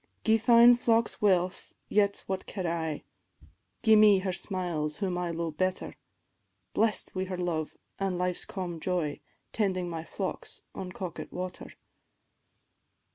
"Gie fine focks wealth, yet what care I, Gie me her smiles whom I lo'e better; Blest wi' her love an' life's calm joy, Tending my flocks by Coquet water.